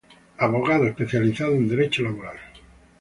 Abogado especializado en Derecho Laboral.